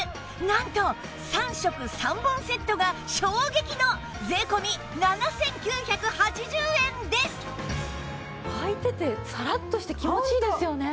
なんと３色３本セットが衝撃の税込７９８０円です！はいててサラッとして気持ちいいですよね。